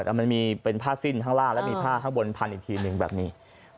มันมีผ้าสิ้นทั้งล่างและมีผ้าทั้งบนพันธุ์อีกทีนึงแบบนี้